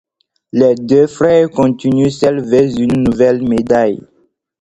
Les deux frères continuent seuls vers une nouvelle médaille.